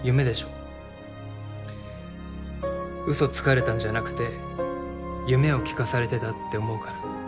うそつかれたんじゃなくて夢を聞かされてたって思うから。